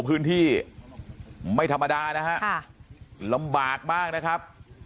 พื้นที่ไม่ธรรมดานะฮะลำบากมากนะครับ